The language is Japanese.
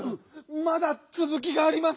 まだつづきがあります！